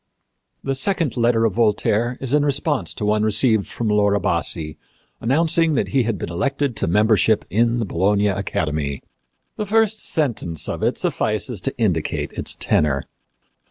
The second letter of Voltaire is in response to one received from Laura Bassi announcing that he had been elected to membership in the Bologna Academy. The first sentence of it suffices to indicate its tenor.